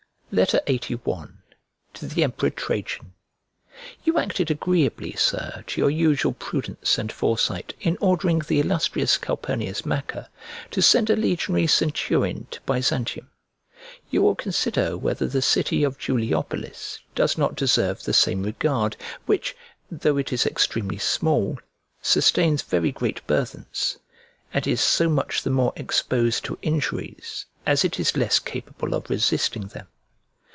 LXXXI To THE EMPEROR TRAJAN You acted agreeably, Sir, to your usual prudence and foresight in ordering the illustrious Calpurnius Macer to send a legionary centurion to Byzantium: you will consider whether the city of Juliopolis' does not deserve the same regard, which, though it is extremely small, sustains very great burthens, and is so much the more exposed to injuries as it is less capable of resisting them.